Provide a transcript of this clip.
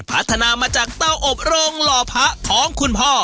พัฒนามาจากเต้าอบโรงหล่อพระของคุณพ่อ